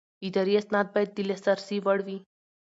اداري اسناد باید د لاسرسي وړ وي.